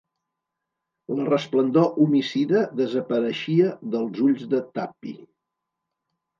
La resplendor homicida desapareixia dels ulls de Tuppy.